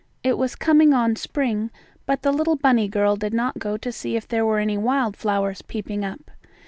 It was coming on spring, but the little bunny girl did not go to see if there were any wildflowers peeping up.